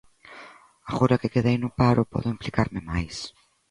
Agora que quedei no paro podo implicarme máis.